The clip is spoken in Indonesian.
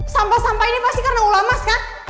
sampah sampah ini pasti karena ulamas kan